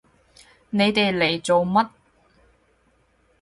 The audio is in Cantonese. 你哋嚟做乜？